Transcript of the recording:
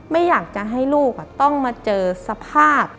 ไม่อยากจะให้ลูกต้องมาเจอสภาพ